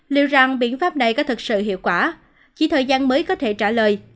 liệu rằng biện pháp này có thực sự hiệu quả chỉ thời gian mới có thể trả lời